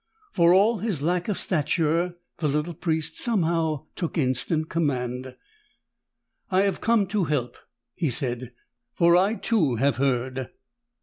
For all his lack of stature, the little priest somehow took instant command. "I have come to help," he said, "for I, too, have heard."